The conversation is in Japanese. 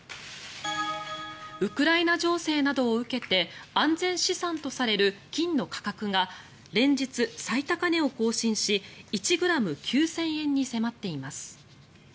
ウクライナ情勢などを受けて安全資産とされる金の価格が連日、最高値を更新し１ｇ９０００円に迫っています。